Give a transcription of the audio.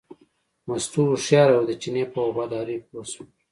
مستو هوښیاره وه، د چیني په وفادارۍ پوه شوه.